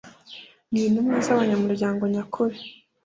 n intumwa z abanyamuryango nyakuri